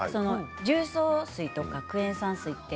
重曹水とかクエン酸水って